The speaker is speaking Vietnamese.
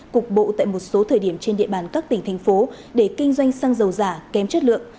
cục bộ tại một số thời điểm trên địa bàn các tỉnh thành phố để kinh doanh xăng dầu giả kém chất lượng